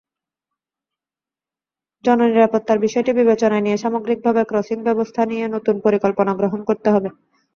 জননিরাপত্তার বিষয়টি বিবেচনায় নিয়ে সামগ্রিকভাবে ক্রসিংব্যবস্থা নিয়ে নতুন পরিকল্পনা গ্রহণ করতে হবে।